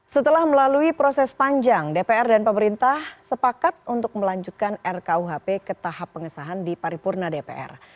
setelah melalui proses panjang dpr dan pemerintah sepakat untuk melanjutkan rkuhp ke tahap pengesahan di paripurna dpr